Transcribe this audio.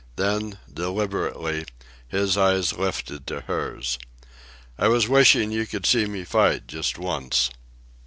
Then, deliberately, his eyes lifted to hers. "I was wishing you could see me fight just once."